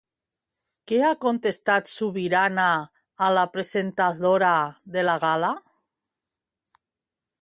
Què ha contestat Subirana a la presentadora de la gala?